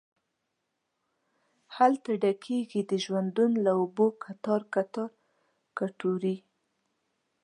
هلته ډکیږې د ژوندون له اوبو کتار، کتار کټوري